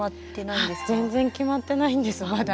全然決まってないんですまだ。